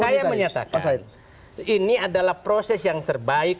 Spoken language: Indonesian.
saya menyatakan ini adalah proses yang terbaik